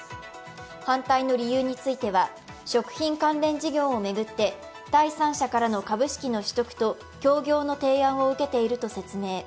反対の理由については食品関連事業を巡って第三者からの株式の取得と協業の提案を受けていると説明。